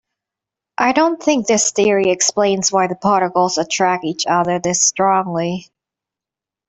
I don't think this theory explains why the particles attract each other this strongly.